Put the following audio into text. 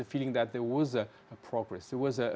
yang berada di tengah kanan